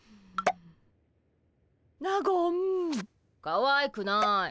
かわいくない。